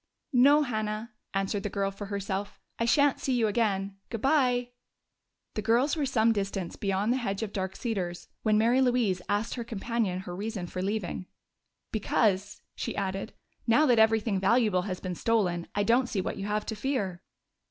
"No, Hannah," answered the girl for herself. "I shan't see you again. Good bye." The girls were some distance beyond the hedge of Dark Cedars when Mary Louise asked her companion her reason for leaving. "Because," she added, "now that everything valuable has been stolen, I don't see what you have to fear."